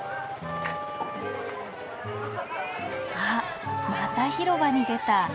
あっまた広場に出た。